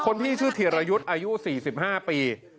พี่ชื่อธีรยุทธ์อายุ๔๕ปี